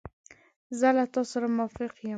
زه له تا سره موافق یم.